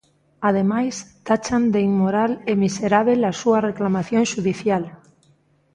Ademais, tachan de "inmoral" e "miserábel" a súa reclamación xudicial.